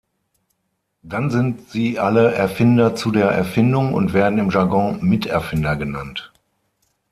Dann sind sie alle Erfinder zu der Erfindung und werden im Jargon „Miterfinder“ genannt.